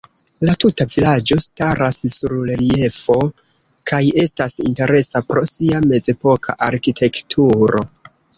La tuta vilaĝo staras sur reliefo kaj estas interesa pro sia mezepoka arkitekturo.